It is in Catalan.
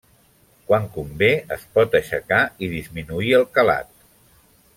Quan convé es pot aixecar i disminuir el calat.